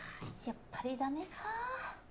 やっぱり駄目か。